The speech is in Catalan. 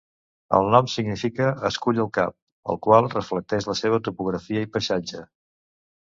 El nom significa "escull al cap", el qual reflecteix la seva topografia i paisatge.